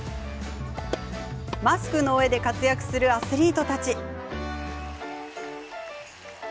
マスクの上で活躍するアスリートたち。